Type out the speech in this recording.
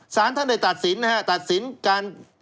สารท่านได้ตัดสินนะฮะตัดสินการ